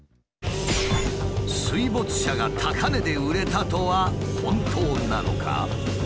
水没車が高値で売れたとは本当なのか？